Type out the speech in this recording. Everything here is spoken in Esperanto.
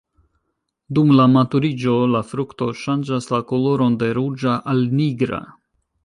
Dum la maturiĝo la frukto ŝanĝas la koloron de ruĝa al nigra.